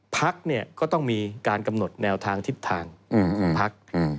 พักเนี่ยก็ต้องมีการกำหนดแนวทางทิศทางของพัก